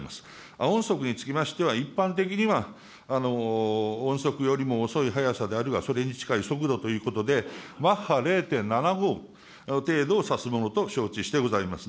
亜音速につきましては、一般的には、音速よりも遅い速さで、あるいはそれに近い速度ということで、マッハ０．７５程度をさすものと承知してございます。